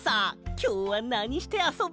きょうはなにしてあそぶ？